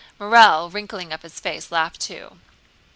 Morel, wrinkling up his face, laughed too.